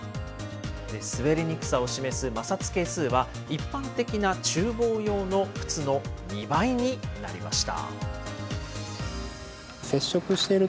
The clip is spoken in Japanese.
滑りにくさを示す摩擦係数は、一般的なちゅう房用の靴の２倍になりました。